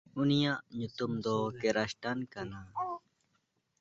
ᱩᱱᱤᱭᱟᱜ ᱧᱩᱛᱩᱢ ᱫᱚ ᱠᱮᱨᱥᱴᱟᱱ ᱠᱟᱱᱟ᱾